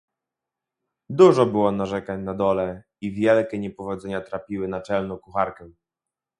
"Dużo było narzekań na dole, i wielkie niepowodzenia trapiły naczelną kucharkę."